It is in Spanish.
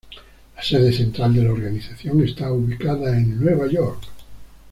La sede central de la organización está ubicada en Nueva York.